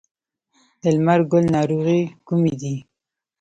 د لمر ګل ناروغۍ کومې دي؟